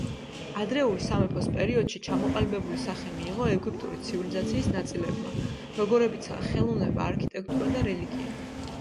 ადრეული სამეფოს პერიოდში ჩამოყალიბებული სახე მიიღო ეგვიპტური ცივილიზაციის ნაწილებმა, როგორებიცაა ხელოვნება, არქიტექტურა და რელიგია.